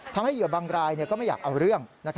เหยื่อบางรายก็ไม่อยากเอาเรื่อง